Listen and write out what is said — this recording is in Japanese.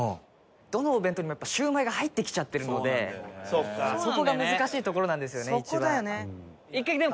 どのお弁当にもシウマイが入ってきちゃってるのでそこが難しいところなんですよね一番。